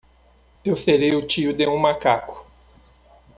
Eu serei o tio de um macaco!